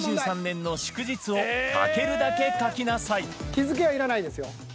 日付けはいらないですよ。